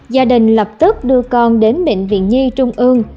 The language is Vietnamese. gia đình lập tức đưa con đến bệnh viện nhi trung ương